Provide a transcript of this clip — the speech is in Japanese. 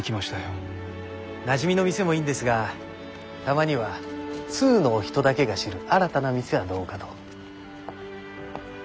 なじみの店もいいんですがたまには通のお人だけが知る新たな店はどうかと。